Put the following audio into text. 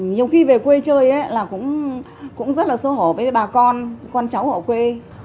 nhiều khi về quê chơi là cũng rất là sô hổ với bà con con cháu ở quê